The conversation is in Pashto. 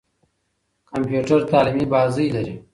کمپيوټر تعليمي بازۍ لري.